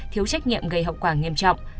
thiếu trách nhiệm gây hậu quả nghiêm trọng